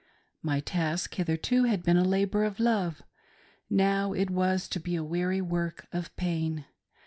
My task hitherto had been a labor of love ; now it was to be a weary work of pain.